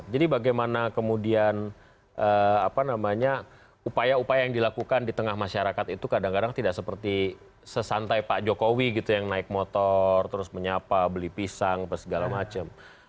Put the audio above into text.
jadi bagaimana kemudian upaya upaya yang dilakukan di tengah masyarakat itu kadang kadang tidak seperti sesantai pak jokowi gitu yang naik motor terus menyapa beli pisang segala macam